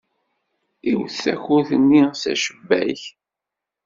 Iwet takurt-nni s acebbak.